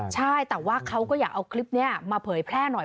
ใช่แต่ว่าเขาก็อยากเอาคลิปนี้มาเผยแพร่หน่อย